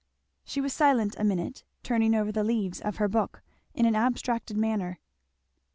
She was silent a minute, turning over the leaves of her book in an abstracted manner.